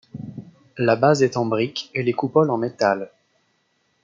La base est en briques, et les coupoles en métal.